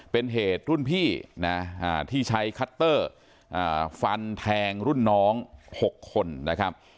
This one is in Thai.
เป็นเหตุรุ่นพี่นะที่ใช้คัตเตอร์ฟันแทงรุ่นน้อง๖คนนะครับ